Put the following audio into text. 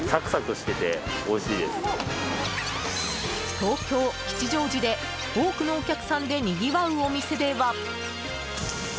東京・吉祥寺で多くのお客さんでにぎわうお店では。